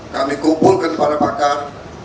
kami kumpulkan para pakar